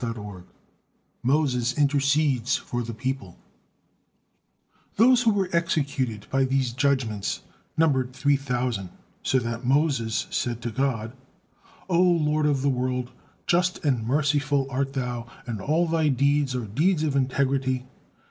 MOSES INTERCEDES FOR THE PEOPLE Those who were executed by these judgements numbered three thousand, so that Moses said to God: "O Lord of the world! Just and merciful art Thou, and all Thy deeds are deeds of integrity.